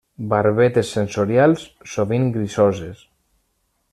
Barbetes sensorials sovint grisoses.